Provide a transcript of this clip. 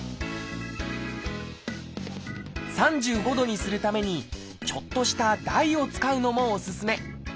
３５度にするためにちょっとした台を使うのもおすすめ。